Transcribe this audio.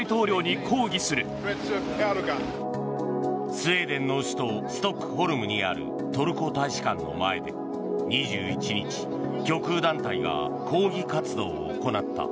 スウェーデンの首都ストックホルムにあるトルコ大使館の前で２１日極右団体が抗議活動を行った。